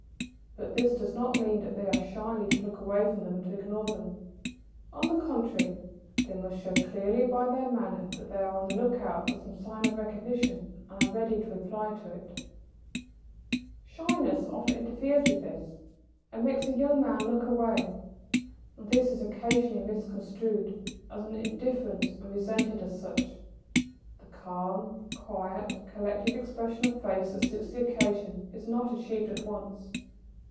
But this does not mean that they are shyly to look away from them and to ignore them. On the contrary, they must show clearly by their manner that they are on the look out for some sign of recognition and are ready to reply to it. [Sidenote: On waiting for acknowledgment.] Shyness often interferes with this and makes a young man look away, and this is occasionally misconstrued as indifference and resented as such. The calm, quiet, collected expression of face that suits the occasion is not achieved at once.